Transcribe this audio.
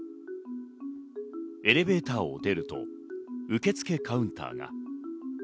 エレベーターを出ると受付カウンターが。